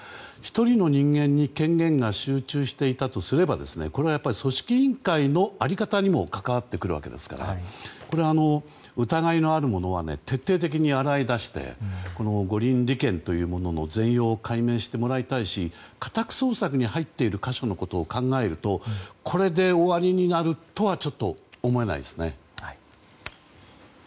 １人の人間に権限が集中していたとすればこれは組織委員会の在り方にも関わってくるわけですからこれ、疑いのあるものは徹底的に洗い出して五輪利権というものの全容を解明してもらいたいし家宅捜索に入っている個所のことを考えるとこれで終わりになるとはちょっと思えないですね。